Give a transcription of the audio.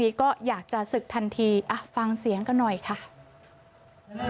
ทะเลมพอร์แล้วคนที่รอเต้นหรือ